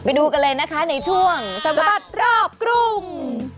ดูกันเลยนะคะในช่วงสบัดรอบกรุง